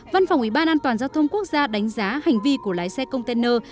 văn phòng ủy ban an toàn giao thông quốc gia đánh giá hành vi của lái xe container